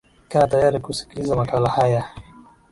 kaa tayari kusikiliza makala haya